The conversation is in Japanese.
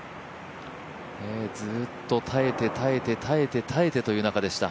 ずっと、耐えて、耐えて、耐えてという中でした。